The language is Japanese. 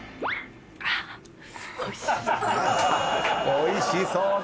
おいしそうです。